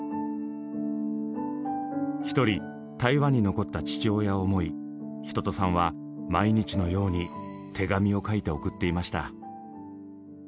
一人台湾に残った父親を思い一青さんは毎日のように手紙を書いて送っていました。